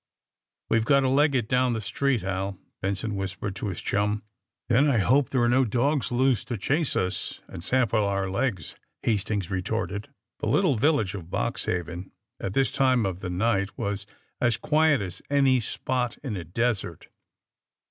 '* We've got to leg it down the street, Hal," Benson whispered to his chum. Then I hope there are no dogs loose to chase us and sample our legs, '' Hastings retorted. The little village of Boxhaven, at this time of the night, was as quiet as any spot in a desert.